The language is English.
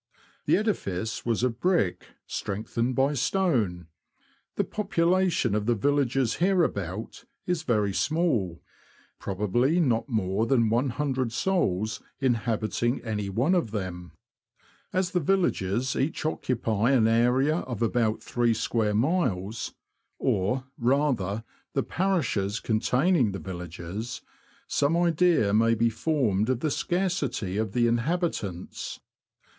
The edifice was of brick, strengthened by stone. The population of the villages hereabout is very small, probably not more than loo souls inhabiting any one of them. As the I 2 116 THE LAND OF THE BROADS. villages each occupy an area of about three square miles (or, rather, the parishes containing the villages), some idea may be formed of the scarcity of the inhabitants.